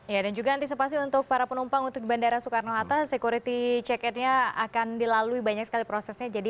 ya dan juga antisipasi untuk para penumpang untuk bandara soekarno hatta security check in nya akan dilalui banyak sekali prosesnya